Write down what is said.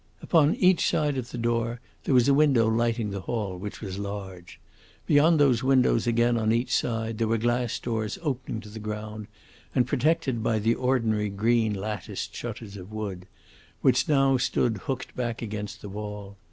Upon each side of the door there was a window lighting the hall, which was large; beyond those windows again, on each side, there were glass doors opening to the ground and protected by the ordinary green latticed shutters of wood, which now stood hooked back against the wall.